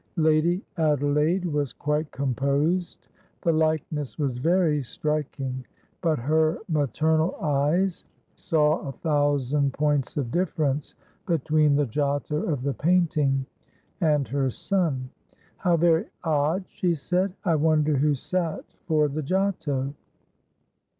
Lady Adelaide was quite composed. The likeness was very striking, but her maternal eyes saw a thousand points of difference between the Giotto of the painting and her son. "How very odd!" she said. "I wonder who sat for the Giotto?